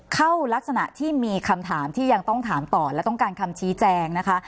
ลักษณะที่มีคำถามที่ยังต้องถามต่อและต้องการคำชี้แจงนะคะ